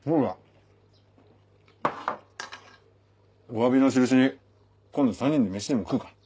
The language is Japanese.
おわびの印に今度３人でメシでも食うか。